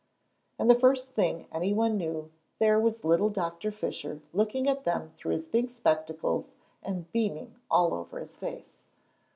And the first thing any one knew there was little Doctor Fisher looking at them through his big spectacles and beaming all over his face.